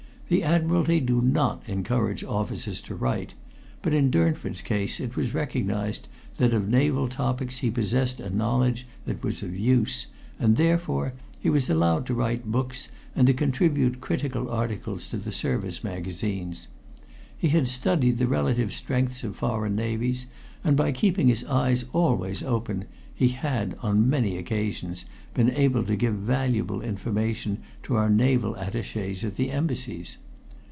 The Admiralty do not encourage officers to write, but in Durnford's case it was recognized that of naval topics he possessed a knowledge that was of use, and, therefore, he was allowed to write books and to contribute critical articles to the service magazines. He had studied the relative strengths of foreign navies, and by keeping his eyes always open he had, on many occasions, been able to give valuable information to our naval attachés at the Embassies.